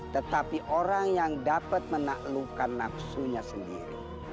tetapi orang yang dapat menaklukkan nafsunya sendiri